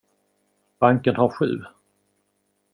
Banken har sju.